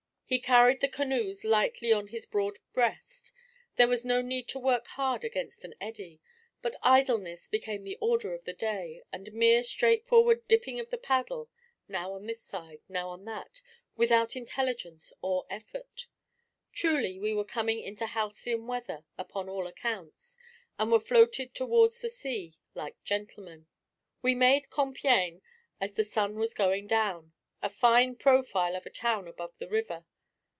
He carried the canoes lightly on his broad breast; there was no need to work hard against an eddy: but idleness became the order of the day, and mere straightforward dipping of the paddle, now on this side, now on that, without intelligence or effort. Truly we were coming into halcyon weather upon all accounts, and were floated towards the sea like gentlemen. We made Compiègne as the sun was going down: a fine profile of a town above the river.